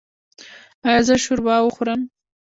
ایا زه شوروا وخورم؟